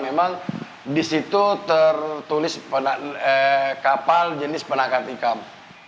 memang di situ tertulis kapal jenis penangkat ikam